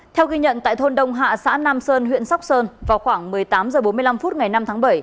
theo ghi nhận tại thôn đông hạ xã nam sơn huyện sóc sơn vào khoảng một mươi tám h bốn mươi năm phút ngày năm tháng bảy